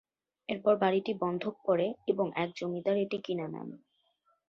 এরপর বাড়িটি বন্ধক পড়ে এবং এক জমিদার এটি কিনে নেন।